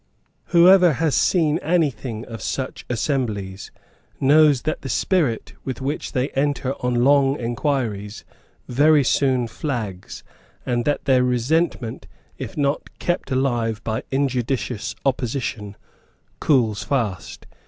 Whoever has seen anything of such assemblies knows that the spirit with which they enter on long inquiries very soon flags, and that their resentment, if not kept alive by injudicious opposition, cools fast.